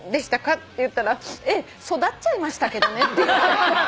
って言ったら「ええ育っちゃいましたけどね」